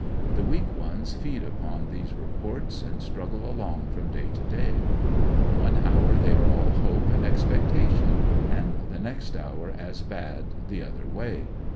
The weak ones feed upon these re ANDERSONVILLE DIAR T, 47 ports and struggle along from day to day. One hour they are all hope and expectation and the next hour as bad the other way.